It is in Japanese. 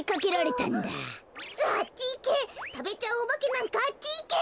たべちゃうおばけなんかあっちいけ！